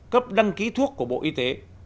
cấp đăng ký thuốc của bộ y tế